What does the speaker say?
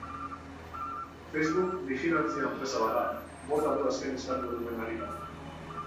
Facebook bijilantzia enpresa bat da, bota du azken eskandaluen harira.